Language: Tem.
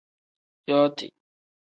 Yooti.